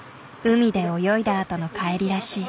海で泳いだあとの帰りらしい。